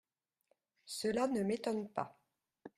Cela ne m’étonne pas.